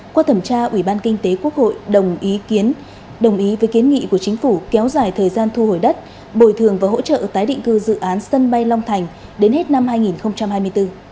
qua thẩm tra ủy ban kinh tế quốc hội đồng ý với kiến nghị của chính phủ kéo dài thời gian thu hồi đất bồi thường và hỗ trợ tái định cư dự án sân bay long thành đến hết năm hai nghìn hai mươi bốn